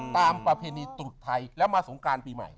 ประเพณีตรุษไทยแล้วมาสงการปีใหม่